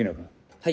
はい。